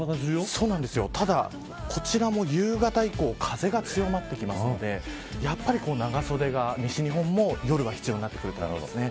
ただ、こちらも夕方以降風が強まってきますのでやっぱり長袖が西日本も夜は必要になってくると思いますね。